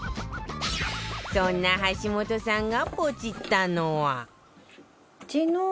そんな橋本さんがポチったのは